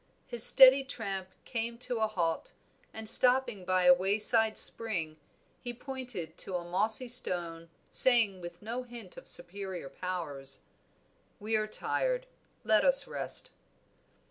His steady tramp came to a halt, and stopping by a wayside spring, he pointed to a mossy stone, saying with no hint of superior powers "We are tired, let us rest."